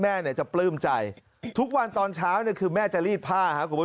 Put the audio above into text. แม่จะปลื้มใจทุกวันตอนเช้าคือแม่จะรีดผ้าครับคุณผู้